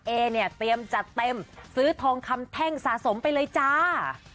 เอเนี่ยเตรียมจัดเต็มซื้อทองคำแท่งสะสมไปเลยจ้า